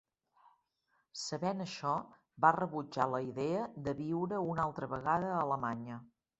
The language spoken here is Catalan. Sabent això, va rebutjar la idea de viure una altra vegada a Alemanya.